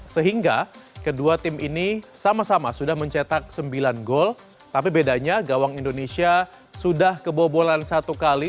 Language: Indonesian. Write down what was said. sehingga kedua tim ini sama sama sudah mencetak sembilan gol tapi bedanya gawang indonesia sudah kebobolan satu kali